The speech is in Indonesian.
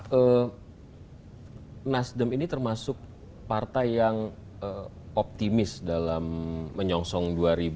pak nasdem ini termasuk partai yang optimis dalam menyongsong dua ribu sembilan belas